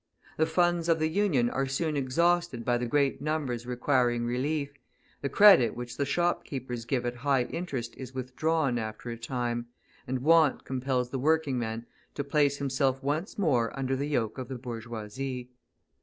The funds of the Union are soon exhausted by the great numbers requiring relief, the credit which the shopkeepers give at high interest is withdrawn after a time, and want compels the working man to place himself once more under the yoke of the bourgeoisie.